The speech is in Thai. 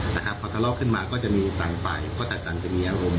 เพื่อทะเลาะขึ้นมาก็จะมีต่างฝ่ายก็จะมีต่างอารมณ์